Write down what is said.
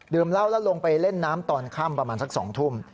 เหล้าแล้วลงไปเล่นน้ำตอนค่ำประมาณสัก๒ทุ่ม